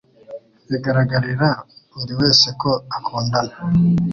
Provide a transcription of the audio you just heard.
Bigaragarira buri wese ko akundana